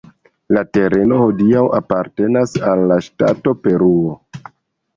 La tereno hodiaŭ apartenas al la ŝtato Peruo.